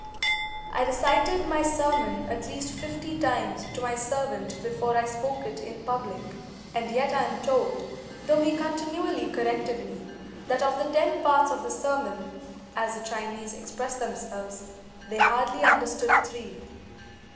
I recited my sermon at least fifty times to my servant before I spoke it in public; and yet I am told, though he continually corrected me, that of the ten parts of the sermon (as the Chinese express themselves), they hardly understood three.